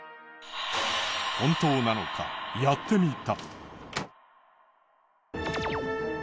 本当なのかやってみた。